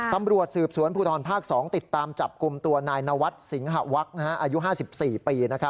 ตำรวจสืบสวนภูทรภาค๒ติดตามจับกลุ่มตัวนายนวัดสิงหะวักอายุ๕๔ปี